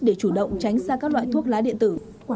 để chủ động tránh xa các loại thuốc lá điện tử